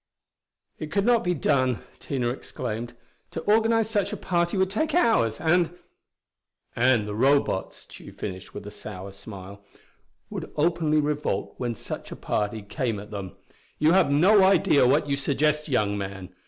"It could not be done," Tina exclaimed. "To organize such a party would take hours. And " "And the Robots," Tugh finished with a sour smile, "would openly revolt when such a party came at them! You have no idea what you suggest, young man.